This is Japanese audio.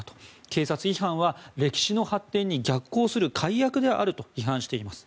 警察批判は歴史の発展に逆行する改悪であると批判しています。